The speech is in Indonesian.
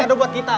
ini ada buat kita